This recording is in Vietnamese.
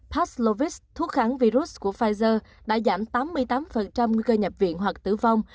paxlovis thuốc kháng virus của pfizer đã giảm tám mươi tám nguy cơ nhập viện hoặc tử vong